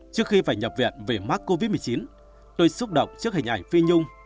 trước khi phải nhập viện vì mắc covid một mươi chín tôi xúc động trước hình ảnh phi nhung